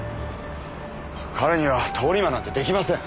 彼には通り魔なんて出来ません。